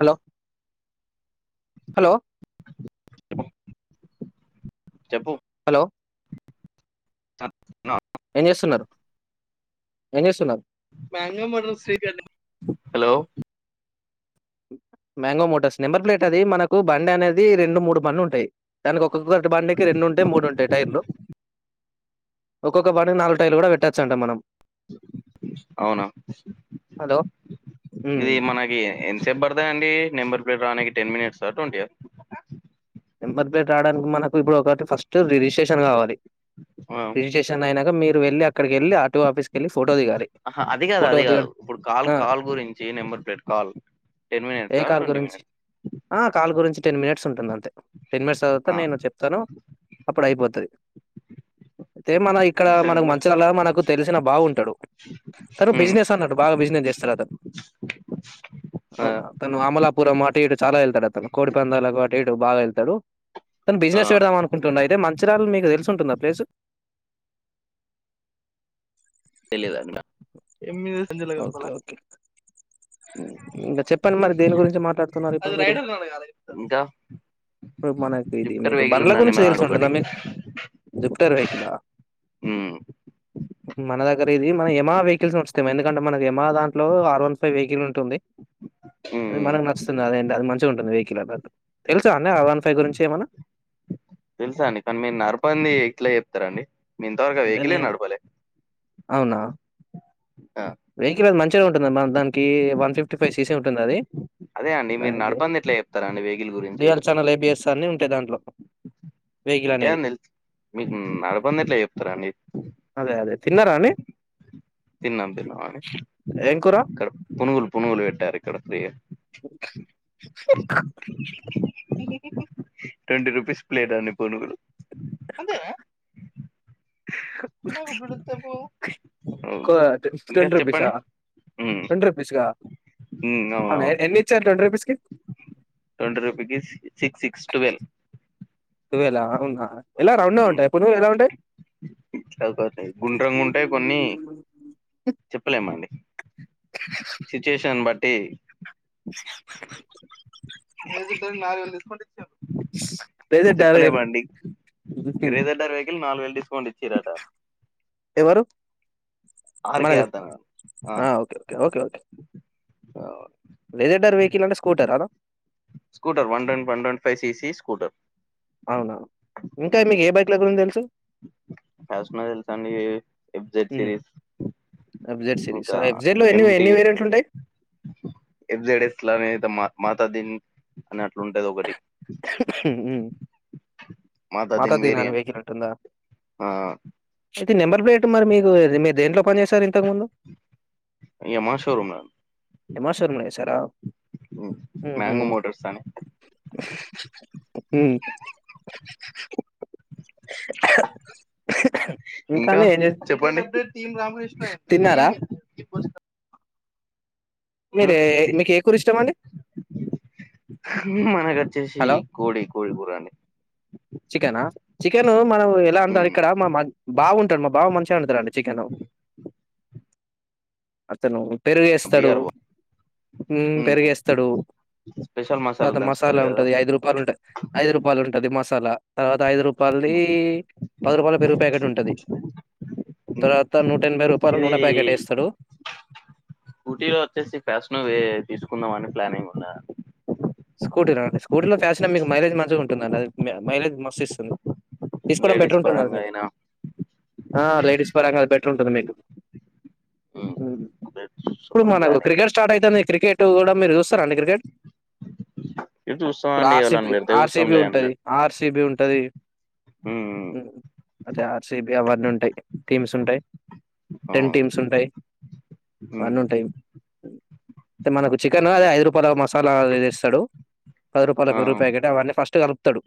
Hello hello చెప్పు hello [inaudible] ఏం చేస్తున్నారు ఏం చేస్తున్నారు మ్యాంగో మోటార్స్ చెయ్యలేమో hello mango Motors number plate అది మనకు బండి అనేది రెండు మూడు బండ్లు ఉంటాయి దానికి ఒక ఒక్కొక్కటి బండికి రెండు ఉంటాయి మూడు ఉంటాయి టైర్లు ఒక్కొక్క బండికి నాలుగు టైర్లు కూడా పెట్టొచ్చు అంట మనం అవునా హలో ఉమ్. ఇది మనకి ఎం చెప్పబడదా అండి నెంబర్ ప్లేట్ రానికి టెన్ మినిట్స్ ఆ ట్వంటి ఆ నెంబర్ ప్లేట్ రావడానికి మనకు ఇప్పుడు ఒకటి ఫస్ట్ రిజిస్ట్రేషన్ కావాలి రిజిస్ట్రేషన్ అయినాక మీరు వెళ్ళి అక్కడికి వెళ్లి ఆటో ఆఫీస్కి వెళ్ళి ఫోటో దిగాలి ఆహ అది కాదు ఫోటో అది కాదు దిగడం ఇప్పుడు కాల్ ఆ కాల్ గురించి నెంబర్ ప్లేట్ కాల్ టెన్ ఏ మనిట్స్ ఆ కాల్ ట్వంటీ గురించి మనిట్స్ ఆ కాల్ గురించి టెన్ మినిట్స్ ఉంటుంది అంతే టెన్ మినిట్స్ తర్వాత నేను చెప్తాను అప్పుడు అయిపోతది అయితే మన ఇక్కడ మనకు మంచిలా మనకు తెలిసిన బావ ఉంటాడు తను బిజినెస్ అన్నట్టు బాగా బిజినెస్ చేస్తాడు అతను అవునా తను అమలాపురం ఆ తిడు చాలా వెళ్తాడు అతను కోడి పందాలకు అటు ఇటు బాగా వెళ్తాడు తను బిజినెస్ పెడదాం అనుకుంటున్నా అయితే మంచిర్యాలలో మీకు తెలిసి ఉంటుందా ప్లేసు తెలిదా అన్నా ఎమిది ఓకే ఓకే ఇంకా చెప్పండి మరి దేని గురించి మాట్లాడుతున్నారు ఇప్పుడు అది మీరు రైడర్ ఇంకా ఇప్పుడు మనకు ఇది జుపిటర్ మీకు వెహికల్ బండ్ల ఉందండి మా గురించి దగ్గర తెలిసి ఉంటుంద ఒకటి మీక్ జుప్టర్ ఎక్కినా ఉమ్, మన దగ్గర ఇది మన ఏమా వెహికల్స్ వస్తాయ్ మ ఎందుకంటే మనది ఎమా దాంట్లో ఆర్ వన్ ఫైవ్ వెహికల్ ఉంటుంది అది ఉమ్, మనకు నచ్చుతుంది అదేటి అది మంచిగ ఉంటుంది వెహి క్లబత్ తెలుసా అండి కన్ మీరు నర్పంది ఇట్లా స్తారండి నేఇంతవరకు ఆ అంటే వెేహికలే నేను నడపలే అవునా ఆ, వెహికల్ అది మంచిగ ఉంటుంది అది మన దానికి వన్ ఫిఫ్టీ ఫైవ్ సీసీ ఉంటుంది అది అదే అండి మీరు అలాగే నడపంది ఎట్లా చెప్తారా అండి వేహికల్ గురించి త అన్నీ ఉంటాయి దాంట్లో వెహికల్ అంటే అనేది నిల్త్ మీకు నడపంది ఎట్ల చెప్తారాండి తిన్నారాండి తిన్నం తిన్నం అనే ఇక్కడ పునుగులు పునుగుల్ కట్టారు ఇక్కడ ఫ్రీగ ట్వంటీ రూపీస్ ప్లేట్ అన్ని పునుగులు అంతేన నా డబ్బులు ఇత్తే పో క టెన్ రుపీసా ఉమ్ టెన్ రుపీసాక ఉమ్ అవునా అవునవును ఎన్ని ఇచ్చారు ట్వంటీ రూపీస్ కి ట్వంటీ రుపీకి సిక్స్ సిక్స్ ట్వెల్ ట్వెలా ఆ ఆరునా ఎలా రౌండ్ గ ఉంటాయ పునుగులు ఎలా ఉంటాయి చపాతి గుండ్రంగా ఉంటాయి కొన్ని చెప్పలేమండి సిచ్యుయేషన్ బట్టి నేను తిస్తాను నాలుగు వేలు డిస్కోంట్య్ డెజర్ట్ డార్ చెప్పలేమండి మీరు ఏదంటారు నాలుగు వేల డిస్కౌంట్ ఇచ్చిరట ఎవరు ఆర్కే మనకు ఎద్ద ఆ లేజంన్డర్ వెహికల్ అంటే స్కూటర్ ఆన scooter one ten one twenty five CC scooter అవునా ఇంకా మీకు ఏ బైక్ల గురించి తెలుసు ఎస్మైల్ and a excite series excite series ఇంకా ఆ ఎబ్జైట్ లో ఎన్ని ఎన్ని వేరియంట్లు ఉంటాయి ఎబ్జైడ్ ఇస్లానే ద మ మాత దీన్ అ మాతా దీన్ మాతదినని వేరియంట్ వేకినట్టుందా ఆ అయితే నెంబర్ ప్లేట్ మరి మీకు మీరు దేంట్లో పన్ చేశారు ఇంతకు ముందు ఇగ మా షోరూమ్ లో యమాస్టోర్ మ శరా మ్మ్ మ్యాంగో మోటార్స్ అని హు ఇంకా అండి ఏం చేస్ చెప్పండి తిన్నారా? మీరే మీకు ఏ కూర ఇష్టం అండి మనకొచ్చేసి కోడి కోడికూర అని చికెనా చికెన్ మనం ఎలా వండుతారు ఉమ్ ఇక్కడ మా బావ వండుతాడు మా బావ మంచిగ వండుతాడు అండి చికెను అతను పెరుగేస్తాడు బిఆర్ బో ఉమ్ పెరిగేస్తాడు స్పెషల్ తర్వాత దంచుతారు మసాలా కదా ఉంటది ఐదు రూపాయలు ఉంటే ఐదు రూపాయలు ఉంటది మసాలా తర్వాత ఐదు రూపా పల్ది పది రూపాల పెరుగు ప్యాకెట్ ఉంటది తరువాత నూట ఎనభై రూపాల నూనె ప్యాకెట్ ఏస్తాడు స్కూటీలో వచ్చేసి ఫ్యాషన్ తీసుకుందాం అని ప్లానింగ్ ఉన్నా స్కూటీనా అండి స్కూటీలో ఫ్యాషన్ మీకు మైలేజ్ మంచిగుంటుందండి అది మైలేజ్ మస్ ఇస్తుంది తీసుకోవడం బెటర్ లేడీస్ ఉంటుంది అది మీ పరంగా అయినా ఆ లేడీస్ పరంగా అది బెటర్ ఉంటుంది మీకు ఉమ్, అదే ఇప్పుడు చూస్తున్నాం మనకు ప్లానింగ్ క్రికెట్ స్టార్ట్ అయితంది క్రికెట్ కూడా మీరు చూస్తారా అండి క్రికెట్ ఇది చూస్తాం ఇప్పుడు అండి ఎవళని ఆర్సిబి పెడితే ఆర్సిబి చూస్తాంలే అండ్లే ఉంటది ఆర్సిబి ఉం అది ఉమ్ అదే ఆర్సిబి అవన్నీ ఉంటాయి టీమ్స్ ఉంటాయి టెన్ అవును టీమ్స్ ఉంటాయి ఉమ్ అవ్వనుంటాయి టే మనకు ఉమ్, చికెన్ అదే ఐదు రూపాయల మసాలా వేస్ స్తడు పది రూపాయల ఆ పెరుగు ప్యాకెట్ అవ్వన్నీ ఫస్ట్ కలుపుతడు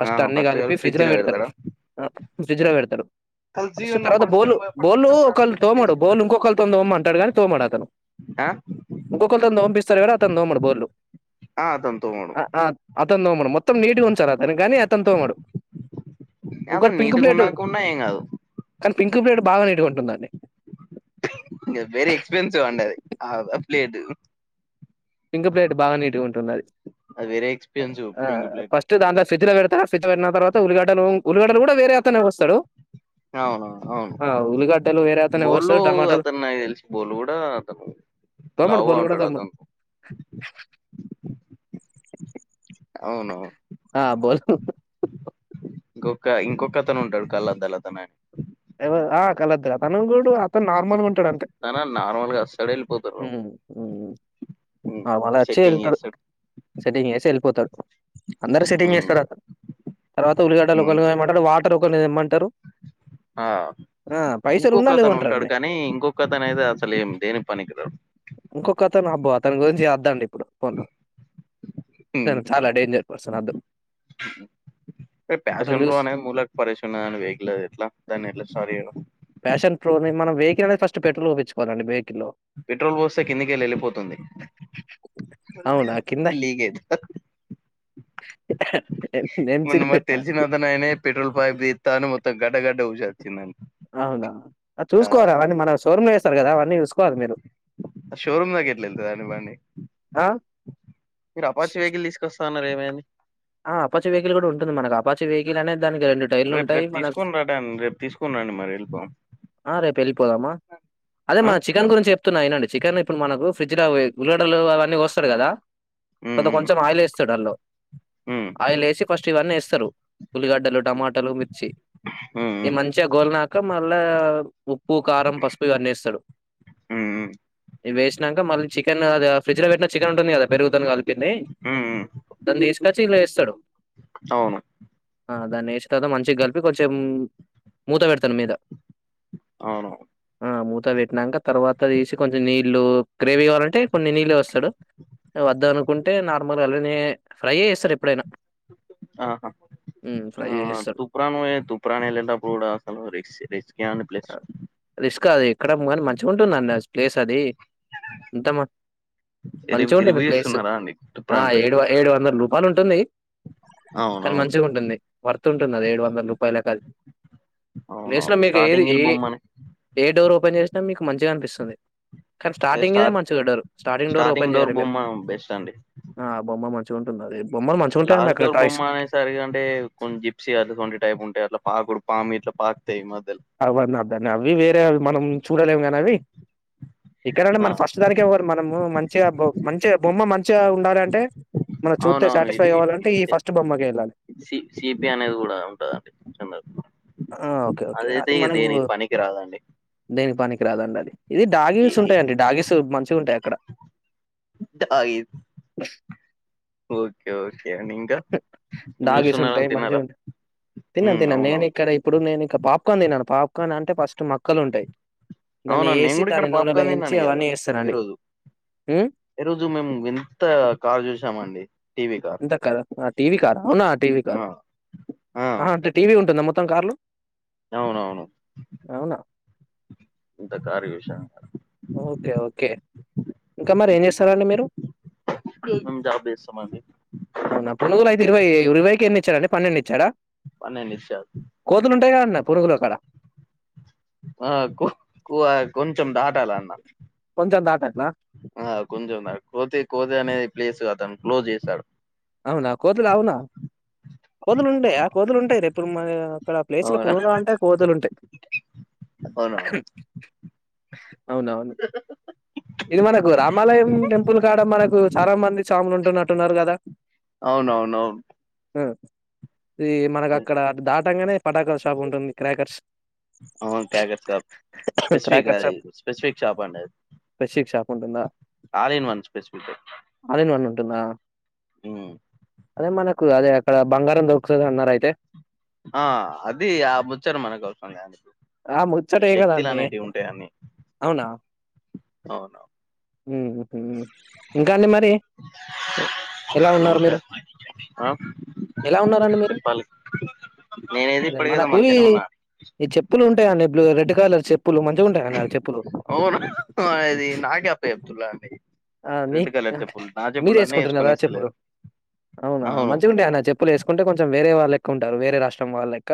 ఫస్ట్ అన్ని కలిపి ఫ్రిడ్జ్ ల పెడతారు ఫ్రిడ్జ్ ల పెడతారు ఫస్ట్ తర్వాత బోల్ బొల్లూ ఒకళ్ళు తోమాడు బోల్ ఇంకొకళ్ళు తోని తోమన్నటాడు కానీ తోమడు అతను ఆ ఇంకొకళ్ళ తోన్ తొమిపిస్తాడు కానీ అతను తోమడు బొల్లు ఆ అతను తోమడు అతన్ తోమడు మొత్తం నీట్గా ఉంచాల అతనుక్ గాని అతను తోమడు అవ ఇంకోటి పింక్ నీటిగా ప్లేట్ ఉన్నాకుండా ఏం కాదు కానీ పింక్ పియడ్ బాగా నీట్ గుంటుందండి ఇంగ వేరీ ఎక్స్పెన్సివ్ అండది ఆ ప్లేట్ పింక్ ప్లేట్ బాగా నీటిగుంటుంది అది అది వెరీ ఎక్స్పెన్సివ్ ఆ పింక్ ప్లేట్ ఫస్ట్ దాంట్లో ఫ్రిజ్ లో పెడతా ఫ్రిజ్ లో పెట్టిన తర్వాత ఉల్లిగడ్డలు ఉల్లిగడలు కూడా వేరే అతనే కోస్తడు ఆ అవును వేరే అతనే బోలు కోస్తాడు టమాటాలు అతను నాక్ తెలిసి బోల్ కూడా అతను తోమడు లావుగా బోల్ కూడా ఉంటాడు తోమడు అతను అవునవున్ ఆ బోలు ఇంకొక ఇంకొకతను ఉంటాడు కళ్ళద్దాలతను అన్ ఎవ ఆ కళ్ళద్దాల తను గూడు అతన్ నార్మల్ ఉం టాడు అంతే తన నార్మల్ గా వస్తాడు వెళ్ళిపోతారు ఉమ్ హు హు ఆ మళ్ళ వచ్చి సెట్టింగ్ ఏళ్తడు చేస్తాడు సెట్టింగ్ చేసి వెళ్ళిపోతాడు అందరు సెట్టింగ్ ఉమ్ చేస్తర్ తర్వాత ఉల్లిగడ్డలు హ్మ్. ఒకళ్ళుకొయ్యమంటరు వాటర్ ఒకళ్ళని తేమంటరు ఆ ఉంకొకతను లేవంటారు ఉంటాడు కానీ ఇంకొకతను అయితే అసలు ఏం దేనికి పనికి రాడు ఇంకొక అతను అబ్బో అతని గురించి ఇప్పుడు వద్దండి ఇప్పుడు వద్దు హ్మ్. అతను చాలా డేంజర్ అసలద్దు [unintelligible] అంటే పాషన్ ప్రో చూస్ ములక్ పరేషిండ్ అయిన వెహికిల్ అది ఎట్ల దాన్ని ఎట్ల స్టార్ట్ చేయను ఫ్యాషన్ ప్రోని మనం వెహికిల్ అనే ఫస్ట్ పెట్రోల్ పోపించుకోవాలండి వెహ్ పెట్రోల్ పోస్తే కిందికెళ్ళి ఏళ్ళిపోతుంది అవునా! కింద లీకయుతుందా [unintelligible] మొన్న ఎంసీలు మాకు పెట్టాలండి. తెలిసినతనయినే పెట్రోల్ పైప్ తీత్తాని మొత్తం గడ్డ గడ్డ ఊసోచ్చిందండీ అవునా చూసుకోవాలి మల్ల అవన్నీ మన షోరూమ్ లా చేస్తారు కదా అవన్నీ చూసుకోవాలి మీరు ఆ షోరూమ్ లోకి ఎట్ల ఎల్థాదండి బండి ఆ! మీరు అపాచి వెహికల్ తీసుకొస్ స్తన్నారు ఏమైంది ఆ అపాచీ వెహికల్ కూడా ఉంటది మనకు అపాచీ వెహికల్ అనే రేప్ రేపు తీసుకోని రండి రేపు తీసుకోని రండి మరి ఎల్లిపొందాం ఆ రేపు వెళ్ళిపోదామా అదే ఆ! మన చికెన్ గురించి చెప్తున్నా ఇనండి చికెన్ ఇప్పుడు మనకు ఫ్రిడ్జ్ లా అవి ఉల్లిగడ్డలు అవన్నీ కోస్తారు కదా ఫ్రీ హ్మ్. అంత హ్మ్. కొంచం ఆయిల్ వేస్తాడు అల్లో హ్మ్. ఆయిల్ ఏసి ఫస్ట్ ఇవన్నీ వేస్తరు ఉల్లిగడ్డలు, టమాటాలు, మిర్చి హ్మ్. ఈ హ్మ్. మంచిగ గోల్నాక మళ్ళా ఉప్పు, కారం, పసుపు ఇగ అన్నేస్తడు హ్మ్. ఇవేసినాక మళ్ళీ చికెన్ అది ఫ్రిడ్జ్ లో పెట్టిన చికెన్ ఉంటుంది కదా పెరుగుతోని కలిపింది హ్మ్. హ్మ్. దాన్నితీస్కొచ్చి యిన్ల ఏస్తడు, అవును. ఆ దాన్ని ఏసి తర్వాత మంచి చి కలిపి కొంచెం మూత పెడతారు మీద అవును ఆ మూత పెట్టినాక తర్వాత తీసి కొంచెం నీళ్ళు గ్రేవీ కావాలంటే కొన్ని నీళ్ళ వోస్తడు వద్దు అనుకుంటే నార్మల్గ, అలనె ఫ్రైయే చేస్తడు ఎప్పుడైనా ఆహ ఫ్రై ఆ చేస్తాడు తూప్రాన్ పోయే, తూప్రాన్ వెళ్ళేటప్పుడు కూడ అసలు రిస్క్, రిస్కే అనిపి అక్కడ, మన కాని మంచిగా ఉంటుందండి ప్లేస్ అది, ఇంతమ మంచిగా ఉంటుంది రివ్యూ ప్లేస్ ఇస్తున్నారా అండి ఆ తుప్రాన్ ప్లేస్ ఏడు ఏడు వందల రూపాయలు ఉంటుంది కానీ అవునవును మంచిగా ఉంటుంది, వర్త్ ఉంటుంది అది ఏడు వందల రూపాయలకది లేసిన అవునవును మీకు ఏది స్టార్టింగ్ ఇల్ ఏ బొమ్మని ఏ డోర్ ఓపెన్ చేసినా మీకు మంచిగా అనిపిస్తుంది కానీ స్టార్టింగె స్టార్ మంచిగ డోర్ స్టార్టింగ్ డోర్ ఓపెన్ చేయాలి మీరు బొమ్మ బెస్ట్ అండి ఆ బొమ్మ మంచి చిగా ఉంటది అది బొమ్మలు మంచిగుంటాయండి లాస్ట్ అక్కడ డోర్ బొమ్మ టాయ్స్. అనే సరిగె అంటే కొంచె జిప్సీ అది కొ టైప్ ఉంటాయి అట్లా పాకుడు పాము ఇట్ల పాకుతాయి మ అవన్ని వద్దండి అవి వేరేవి మనం చూడలేము కానీ అవి ఇక్కడంటే ఆ, మన ఫస్ట్ దానికేవ్వరు మనము మంచిగాొ మంచిగా బొమ్మ మంచిగా ఉండాలి అంటే మనం చూస్తే అవునవును సాటిస్ఫై ఇటు ఇటు అవ్వాలింటే ఇటు ఈ చె- ఫస్ట్ బొమ్మకె వెళ్ళాలి సి సిపి అనేది కూడ ఉంటదండి కొంచ ఆ ఓకె ఓకె అది మనకు పనికి రాదండి దేనిక్ పనికి రాదండి అది ఇది డాగీల్స్ ఉంటాయంండి డాగీస్ మంచిగ ఉంటాయి అక్కడ ఓకే ఓకే అండి ఇంకా ఏం డాగిల్స్ ఉంటాయి చేస్తున్నారని మంచిగ తిన్నారా ఉంట తిన్నాను తిన్నాను అవునవును నేను ఇక్కడ ఇప్పుడు నేను ఇక్క పాప్కాన్ తిన్నాను పాప్కాన్ అంటే ఫస్ట్ మొక్కలు ఉంటయి దాన్ని అవునా నేను ఏేసి కూడా ఇక్కడ దాని నూనెలో పాప్కార్న్ వేయించి అవన్నీ వేస్తానండి ఈ రోజు మేము వింత కార్ చూసా మండి టీవీ కార్ ఇంత కాదా? ఆ టీవీ కార్ అవున టీవీ కార్ ఆ, ఆ, అహ అంటే టీవీ ఉంటుందా మొత్తం కార్లు అవునవును ఇంత కార్ విషయం ఓకె ఓకె ఇంక మరి ఏం చేస్తారాండి మీరు మేము జాబ్ చేస్తామండి అవునా పునుగులు అయితే ఇరవై ఇరవైకె ఎన్ని ఇచ్చాడండి పన్నెండు ఇచ్చాడ మన్నే నిశ్చద్ నా కొడుకోల కడ ఆ కు కువ కొంచం దాటాలన్న కొంచెం దాటట్లా? ఆ కొంచెం దాట కోతి కోద అనేది ప్లేస్ అదు క్లోజ్ చేశారు అవునా కోతులు అవున కోతులుంటాయి ఆ కోతులు ఉంటాయి రేపుడు అక్కడ ప్లేస్లో అవునా పునుగా అంటే కోతులు ఉంటాయి అవునా అవునవును ఇది వరకు రామాలయం టెంపుల్ కాడ మనకు చాలా మంది స్వాములు ఉంటున్నట్టున్నారు కదా అవునవునువు హ ఈ మనకు అక్కడ దాటంగానే పటాక షాప్ ఉంటుంది క్రాకర్స్ అవున్ క్రాకర్స్ స్పెసిఫిక్ క్రాకర్ అది షాప్ స్పెసిఫిక్ చాప అండ ది ఉంటున్నా ఆలిన్ వన్ స్పెసిఫిక్ ంటుంద ఉమ్. అదే మనకు అదే అక్కడ బంగారం దొకుతుంది అన్నారుా అయితే ఆ అది ఆ ముచ్చారు మనకు ఆ అవసం ముచ్చటే కదా శక్తులు అండి అనేటివి ఉంటాయిన్నీ అవునా అవునువు ఇంకా అ మరి ఎలా ఉన్నారు ఇంకా మీరు ఆ ఎలా ఉన్నారండి మీరు చెప్పాలి నేనేది అదే ఇప్పటికేదో మనకువి మంచిగానే ఉన్నా ఈ చెప్పులు ఉంటాయిడి బ్ల రెడ్ కలర్ చెప్పు అవునా అది నాకే అప్పయి అబ్దుల్లా అండి ఆ మీ రెడ్ కలర్ చెప్పులు నా మీరు చెప్పులు అన్నీ వేసుకుంటున్నారు వేసుకొని కదా చెప్పులు ఇస్తలేరు అవునా అవును మంచిగాంటాయి అన్న చెప్పులు వసుకుంటే కొంచెం వేరే వాళ్ళ ఎక్క ఉంటారు వేరే రాష్ట్రం వాళ్ళ ెక్క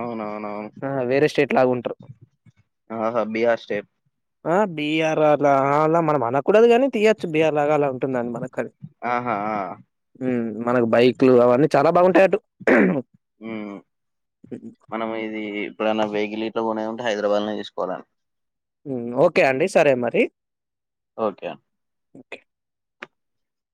అవునవునవును అలాగుంటారు ఆహా బిహ స్టేప్ ఆ బిఆర్ఆర్లా మన మన ూడదు కానీ తీహచ్ బిఆర్ లాగా అలా ఉంటుందండి మనకుది ఆహా ఆ. మనకు బైక్లు అవన్నీ చాలా బాగుంటాయిటు ఉ మనం ఇది ఇప్పుడైన్న వెహగిిల్ ఇట్లో కొనే ఉంటే హైదరాబాద్ లో తీసుకోవాలని ఓకే అండి సరే మరి ఓకే ఓకే